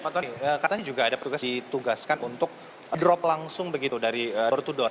pak ton katanya juga ada petugas ditugaskan untuk drop langsung begitu dari door to door